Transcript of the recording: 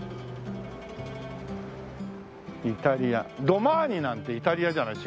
イタリアドマーニなんてイタリアじゃない？